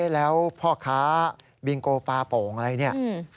แล้วพ่อค้าบิงโกปลาโป่งอะไรเนี่ย